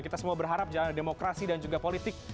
kita semua berharap jalan demokrasi dan juga politik